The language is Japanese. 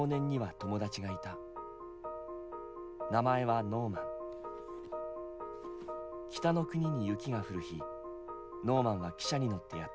北の国に雪が降る日ノーマンは汽車に乗ってやって来る。